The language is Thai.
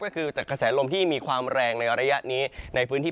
ก็คือจากกระแสลมที่มีความแรงในระยะนี้ในพื้นที่